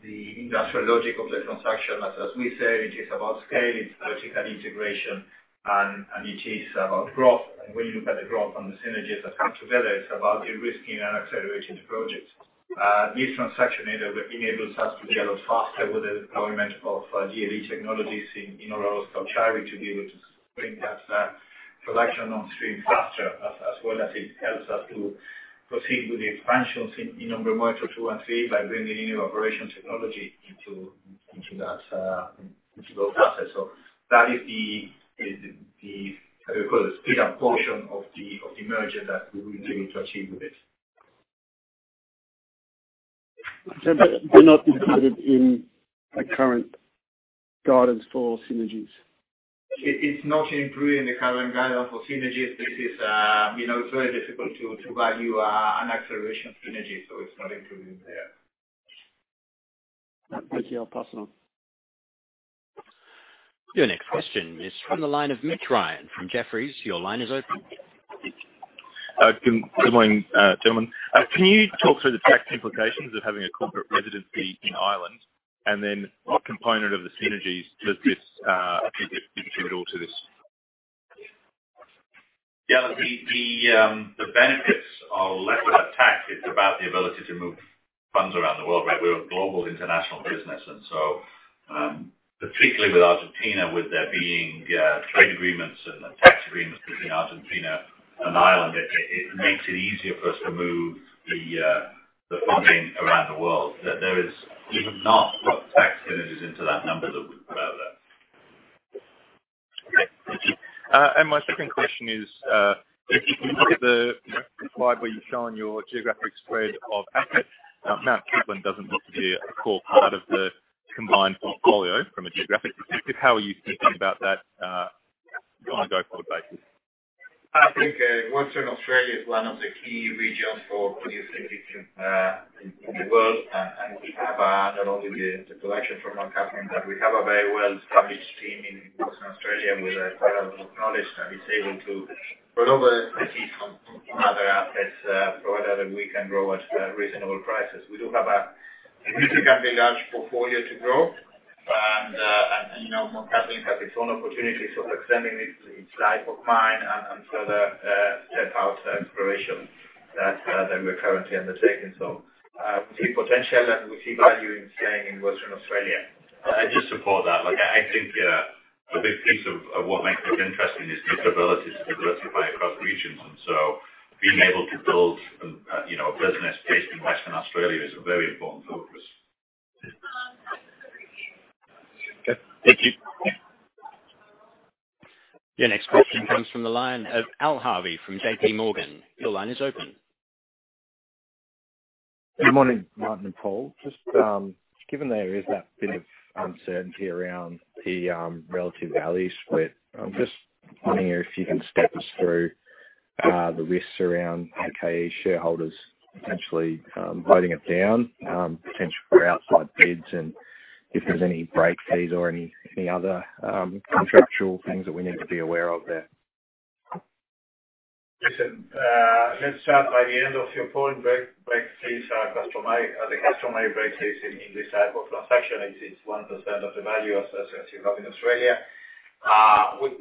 the industrial logic of the transaction, as we said, it is about scale, it's vertical integration and it is about growth. When you look at the growth and the synergies that come together, it's about de-risking and accelerating the projects. This transaction enables us to be a lot faster with the deployment of DLE technologies in Olaroz-Cauchari to be able to bring that production on stream faster, as well as it helps us to proceed with the expansions in Hombre Muerto 2 and 3 by bringing in new operation technology into that into those assets. That is the how do you call it? Speed up portion of the merger that we will be looking to achieve with this. They're not included in the current guidance for synergies. It's not included in the current guidance for synergies. This is, you know, it's very difficult to value an acceleration of synergies. It's not included there. Okay. I'll pass on. Your next question is from the line of Mitch Ryan from Jefferies. Your line is open. Good morning, gentlemen. Can you talk through the tax implications of having a corporate residency in Ireland? What component of the synergies does this contribute or to this? Yeah. The benefits are less about tax. It's about the ability to move funds around the world, right? We're a global international business. Particularly with Argentina, with there being trade agreements and tax agreements between Argentina and Ireland, it makes it easier for us to move the funding around the world. We've not brought the tax synergies into that number that we put out there. Okay. Thank you. My second question is, if you look at the slide where you've shown your geographic spread of assets, Mt Cattlin doesn't look to be a core part of the combined portfolio from a geographic perspective. How are you thinking about that on a go-forward basis? I think, Western Australia is one of the key regions for lithium in the world. We have not only the collection from Mt Cattlin, but we have a very well-established team in Western Australia with a lot of knowledge that is able to roll over the I see. Some other assets, provided that we can grow at a reasonable prices. We do have a significantly large portfolio to grow. You know, Mt Cattlin has its own opportunities of extending its life of mine and further step out exploration that we're currently undertaking. We see potential and we see value in staying in Western Australia. I just support that. Like, I think, a big piece of what makes this interesting is this ability to diversify across regions. Being able to build, you know, a business based in Western Australia is a very important focus. Okay. Thank you. Your next question comes from the line of Al Harvey from JPMorgan. Your line is open. Good morning, Martin and Paul. Just given there is that bit of uncertainty around the relative value split, I'm just wondering if you can step us through the risks around AKE shareholders potentially voting it down, potential for outside bids, and if there's any break fees or any other contractual things that we need to be aware of there? Listen, let's start by the end of your point. Break fees are customary. The customary break fees in this type of transaction is 1% of the value, as you have in Australia.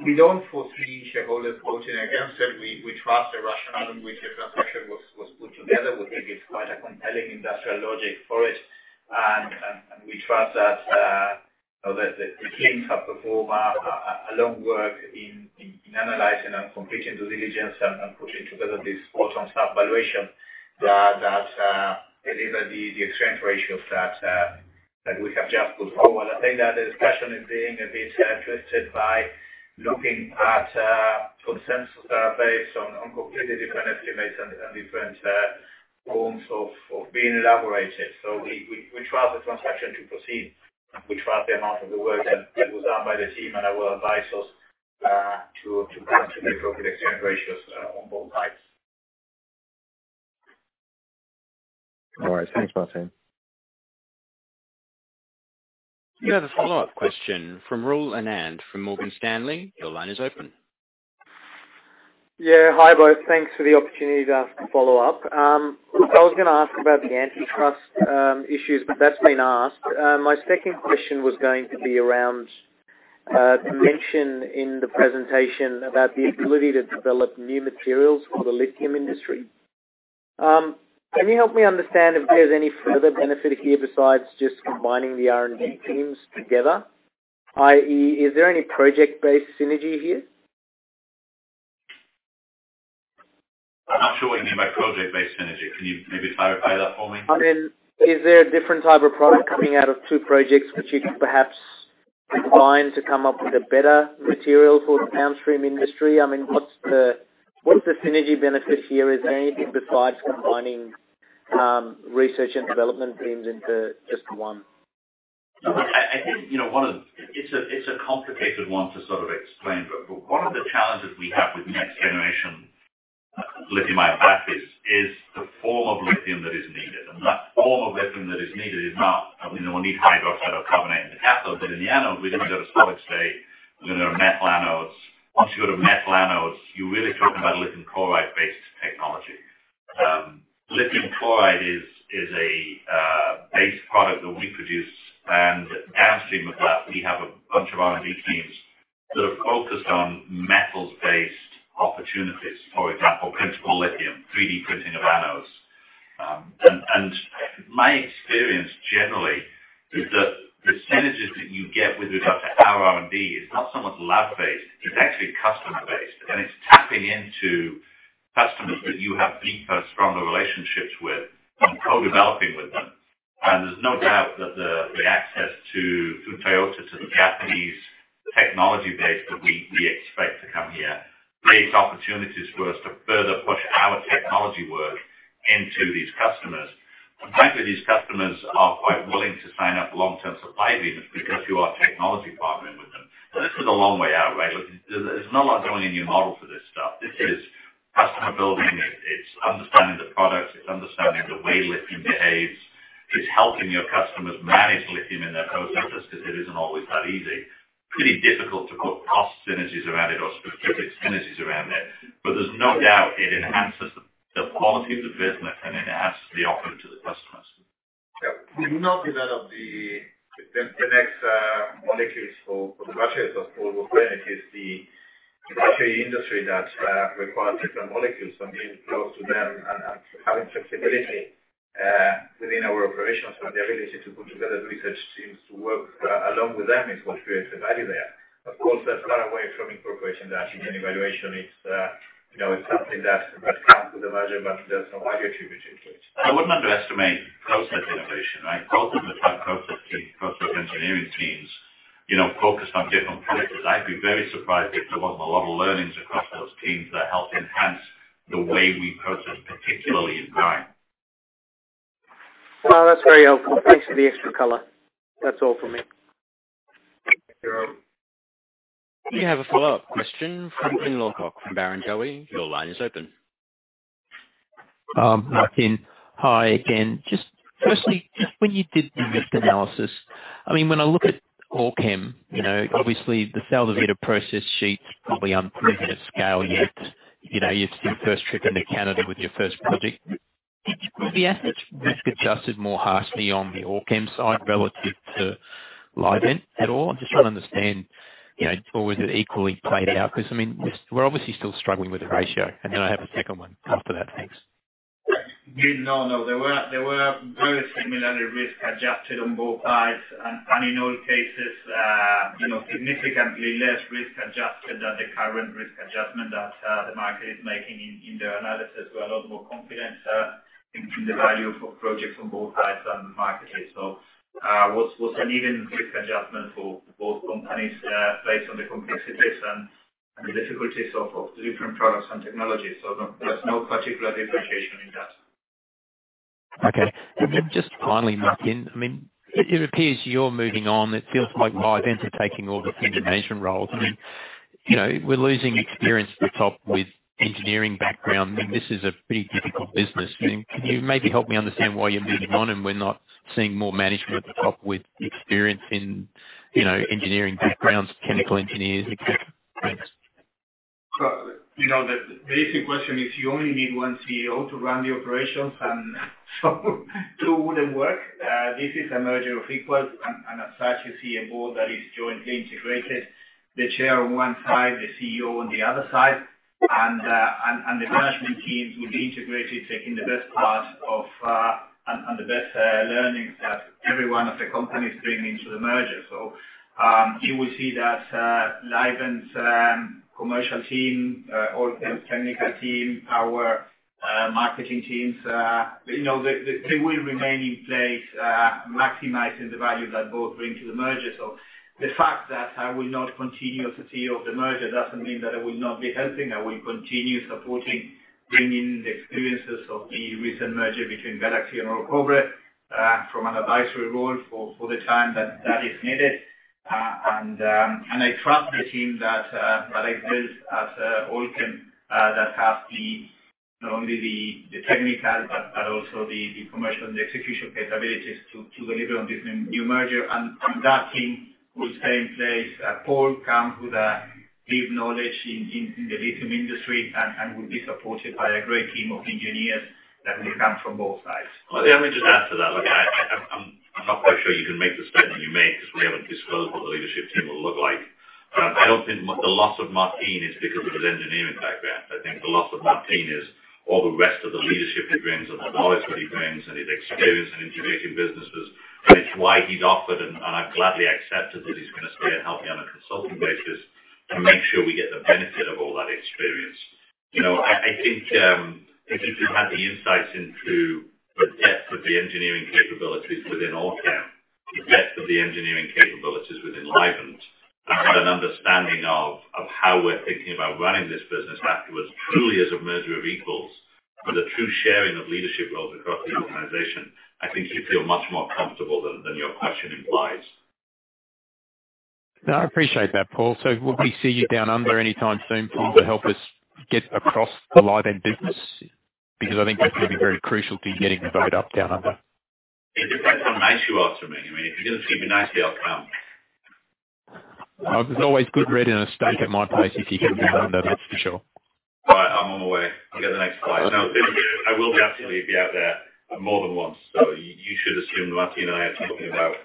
We don't foresee shareholders voting against it. We trust the rationale in which the transaction was put together. We think it's quite a compelling industrial logic for it. We trust that, you know, the teams have performed a long work in analyzing and completing due diligence and putting together this bottom-up valuation that deliver the exchange ratio that we have just put forward. I think that the discussion is being a bit twisted by looking at consensus based on completely different estimates and different forms of being elaborated. We trust the transaction to proceed, and we trust the amount of the work that was done by the team and our advisors to come to the appropriate exchange ratios on both sides. All right. Thanks, Martín. You have a follow-up question from Rahul Anand from Morgan Stanley. Your line is open. Yeah. Hi, both. Thanks for the opportunity to ask a follow-up. I was gonna ask about the antitrust issues, but that's been asked. My second question was going to be around the mention in the presentation about the ability to develop new materials for the lithium industry. Can you help me understand if there's any further benefit here besides just combining the R&D teams together, i.e., is there any project-based synergy here? I'm not sure what you mean by project-based synergy. Can you maybe clarify that for me? I mean, is there a different type of product coming out of two projects which you could perhaps combine to come up with a better material for the downstream industry? I mean, what's the synergy benefit here? Is there anything besides combining research and development teams into just one? I think, you know, it's a complicated one to sort of explain. One of the challenges we have with next generation lithium ion batteries is the form of lithium that is needed. That form of lithium that is needed is not, I mean, we'll need hydroxide or carbonate in the cathode, but in the anode, we're gonna go to solid state, we're gonna have metal anodes. Once you go to metal anodes, you're really talking about a lithium chloride-based technology. Lithium chloride is a base product that we produce, and downstream of that, we have a bunch of R&D teams that are focused on metals-based opportunities. For example, printable lithium, 3D printing of anodes. My experience generally is that the synergies that you get with regard to our R&D is not so much lab-based, it's actually customer-based, and it's tapping into customers that you have deeper, stronger relationships with and co-developing with them. There's no doubt that the access to, through Toyota to the Japanese technology base that we expect to come here creates opportunities for us to further push our technology work into these customers. Frankly, these customers are quite willing to sign up long-term supply agreements because you are technology partnering with them. This is a long way out, right? There's not like building a new model for this stuff. This is customer building, it's understanding the products, it's understanding the way lithium behaves. It's helping your customers manage lithium in their cathode because it isn't always that easy. Pretty difficult to put cost synergies around it or specific synergies around it, but there's no doubt it enhances the quality of the business and enhances the offering to the customers. Yeah. We will not be that of the next molecules for the batteries. Of course, we're clear it is the battery industry that requires different molecules. Being close to them and having flexibility within our operations and the ability to put together research teams to work along with them is what creates the value there. Of course, that's not away from incorporation that in evaluation it's, you know, it's something that adds value to the merger, but there's no value attributed to it. I wouldn't underestimate process innovation, right? Both of us have process team, process engineering teams, you know, focused on different projects. I'd be very surprised if there wasn't a lot of learnings across those teams that help enhance the way we process, particularly in brine. No, that's very helpful. Thanks for the extra color. That's all from me. Thank you. We have a follow-up question from Glyn Lawcock from Barrenjoey. Your line is open. Hi, Glenn. Hi again. Just firstly, just when you did the risk analysis, I mean, when I look at Allkem, you know, obviously the Sal de Vida process sheets probably unproven at scale yet. You know, it's your first trip into Canada with your first project. Were the assets risk adjusted more harshly on the Allkem side relative to Livent at all? I'm just trying to understand, you know, or was it equally played out? Cause I mean, we're obviously still struggling with the ratio. I have a second one after that. Thanks. Yeah. No, no. They were very similarly risk adjusted on both sides. In all cases, you know, significantly less risk adjusted than the current risk adjustment that the market is making in their analysis. We're a lot more confident in the value of projects on both sides than the market is. Was an even risk adjustment for both companies based on the complexities and the difficulties of the different products and technologies. No, there's no particular differentiation in that. Okay. Just finally, Martin, I mean, it appears you're moving on. It feels like Livent are taking all the senior management roles. I mean, you know, we're losing experience at the top with engineering background. I mean, this is a pretty difficult business. I mean, can you maybe help me understand why you're moving on and we're not seeing more management at the top with experience in, you know, engineering backgrounds, chemical engineers, etcetera? Thanks. You know, the basic question is you only need one CEO to run the operations, and so two wouldn't work. This is a merger of equals and as such, you see a board that is jointly integrated. The chair on one side, the CEO on the other side. The management team will be integrated, taking the best part of, and the best learnings that every one of the companies bring into the merger. You will see that Livent's commercial team, Allkem's technical team, our marketing teams, you know, they will remain in place, maximizing the value that both bring to the merger. The fact that I will not continue as the CEO of the merger doesn't mean that I will not be helping. I will continue supporting, bringing the experiences of the recent merger between Galaxy and Orocobre, from an advisory role for the time that is needed. I trust the team that exists at Allkem that has not only the technical but also the commercial and the execution capabilities to deliver on this new merger. That team will stay in place. Paul comes with a deep knowledge in the lithium industry and will be supported by a great team of engineers that will come from both sides. Let me just add to that. Look, I'm not quite sure you can make the statement you made because we haven't disclosed what the leadership team will look like. I don't think the loss of Martín is because of his engineering background. I think the loss of Martín is all the rest of the leadership he brings and the knowledge that he brings and his experience in integrating businesses, which is why he's offered, and I've gladly accepted that he's gonna stay and help me on a consulting basis to make sure we get the benefit of all that experience. You know, I think if you had the insights into the depth of the engineering capabilities within Allkem, the depth of the engineering capabilities within Livent, and had an understanding of how we're thinking about running this business afterwards, truly as a merger of equals with a true sharing of leadership roles across the organization, I think you'd feel much more comfortable than your question implies. No, I appreciate that, Paul. Will we see you down under anytime soon, Paul, to help us get across the Livent business? Because I think that's gonna be very crucial to getting the vote up, down under. It depends how nice you are to me. I mean, if you're gonna treat me nicely, I'll come. There's always good bread and a steak at my place if you come to down under, that's for sure. All right, I'm on my way. I'll get the next flight. I will definitely be out there more than once. You should assume Martín and I are talking about,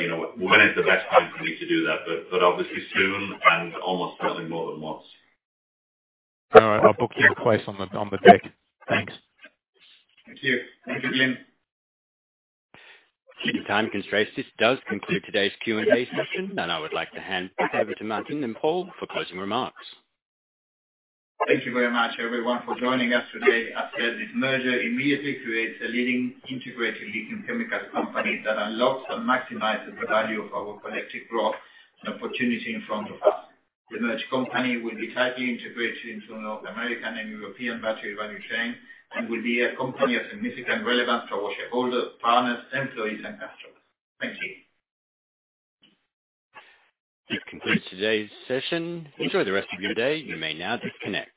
you know, when is the best time for me to do that. Obviously soon and almost certainly more than once. All right. I'll book you a place on the, on the deck. Thanks. Thank you. Thank you, Glyn. Due to time constraints, this does conclude today's Q&A session. I would like to hand back over to Martin and Paul for closing remarks. Thank you very much, everyone, for joining us today. As said, this merger immediately creates a leading integrated lithium chemicals company that unlocks and maximizes the value of our collective growth and opportunity in front of us. The merged company will be tightly integrated into North American and European battery value chain and will be a company of significant relevance to our shareholders, partners, employees and customers. Thank you. This concludes today's session. Enjoy the rest of your day. You may now disconnect.